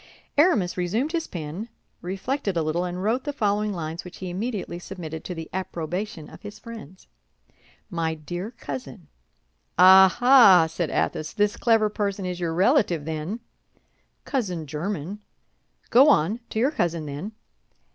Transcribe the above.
Aramis resumed his pen, reflected a little, and wrote the following lines, which he immediately submitted to the approbation of his friends. "My dear cousin." "Ah, ah!" said Athos. "This clever person is your relative, then?" "Cousin german." "Go on, to your cousin, then!"